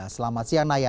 selamat siang naya